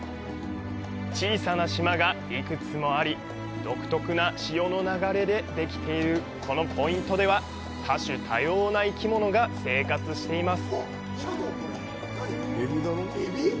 小さな島が幾つもあり、独特な潮の流れができているこのポイントでは多種多様な生き物が生活しています。